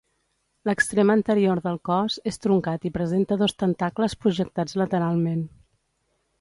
L'extrem anterior del cos és truncat i presenta dos tentacles projectats lateralment.